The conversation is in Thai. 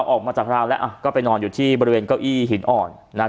ออกมาจากรางแล้วไปนอนบริเวณเก้าอี่หินอ่อน